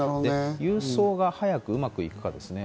郵送か、早くうまくいくかですね。